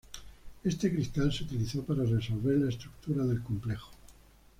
Este cristal se utilizó para resolver la estructura del complejo.